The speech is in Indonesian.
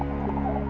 seekormbol di rakamku